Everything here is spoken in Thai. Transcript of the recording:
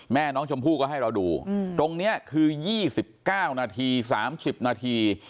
แม่น้องชมพู่ก็ให้เราดูตรงนี้คือ๒๙นาที๓๐นาที